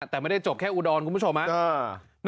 แต่ไม่ได้จบแค่อุดรคุณผู้ชมครับ